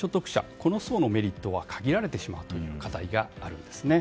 この層のメリットは限られてしまうという課題があるんですね。